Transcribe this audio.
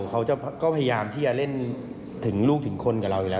เขาก็พยายามที่จะเล่นถึงลูกถึงคนกับเราอยู่แล้ว